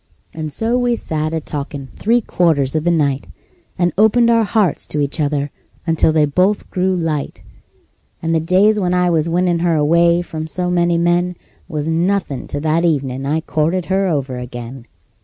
And so we sat a talkin' three quarters of the night, And opened our hearts to each other until they both grew light; And the days when I was winnin' her away from so many men Was nothin' to that evenin' I courted her over again.